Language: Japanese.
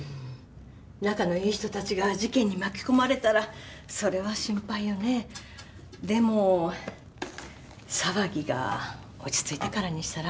仲のいい人達が事件に巻き込まれたらそれは心配よねでも騒ぎが落ち着いてからにしたら？